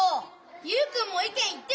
ユウくんもいけん言ってよ！